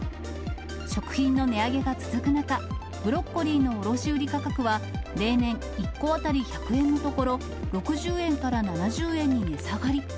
食品の値上げが続く中、ブロッコリーの卸売価格は、例年１個当たり１００円のところ、６０円から７０円に値下がり。